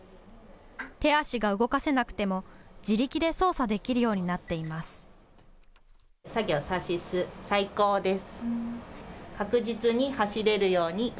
手足が動かせなくても自力で操作できるようになっています。